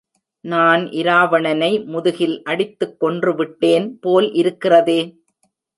நான் இராவணனை முதுகில் அடித்துக் கொன்றுவிட்டேன்போல் இருக்கிறதே!